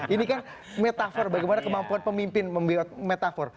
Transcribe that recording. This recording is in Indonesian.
ini kan metafor bagaimana kemampuan pemimpin membuat metafor